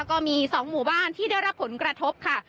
ก็มี๒หมู่บ้านที่ได้รับผลกระทบค่ะ